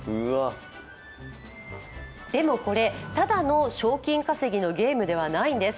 でもこれ、ただの賞金稼ぎのゲームではないんです。